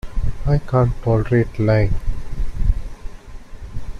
I can't tolerate lying.